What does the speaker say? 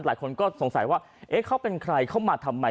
หลายคนก็สงสัยว่าเขาเป็นใครเข้ามาทำไม